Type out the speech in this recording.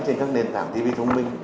trên các nền tảng tv thông minh